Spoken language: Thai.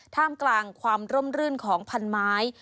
ท่ามกลางความร่มรื่นของพันไม้